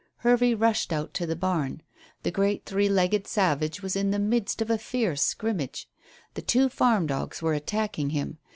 Hervey rushed out to the barn. The great three legged savage was in the midst of a fierce scrimmage. Two farm dogs were attacking him.